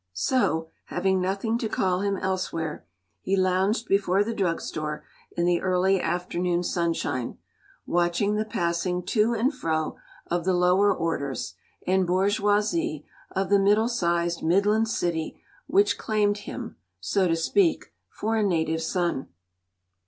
So, having nothing to call him elsewhere, he lounged before the drug store in the early afternoon sunshine, watching the passing to and fro of the lower orders and bourgeoisie of the middle sized midland city which claimed him (so to speak) for a native son.